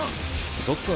そっか？